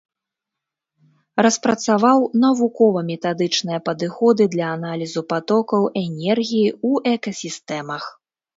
Распрацаваў навукова-метадычныя падыходы для аналізу патокаў энергіі ў экасістэмах.